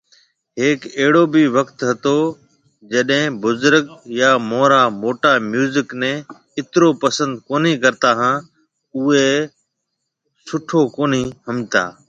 هيڪ اهڙو بِي وکت هتو جڏي بزرگ يا مونهرا موٽا ميوزڪ ني اترو پسند ڪونهي ڪرتا هان اوئي سٺو ڪونهي ۿمجھتا